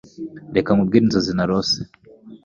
Reka nkubwire inzozi narose.